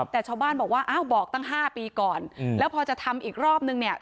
แต่ชาวบ้านบอกว่าอ้าวบอกตั้ง๕ปีก่อนแล้วพอจะทำอีกรอบนึงเนี่ย